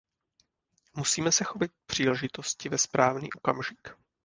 Musíme se chopit příležitosti ve správný okamžik.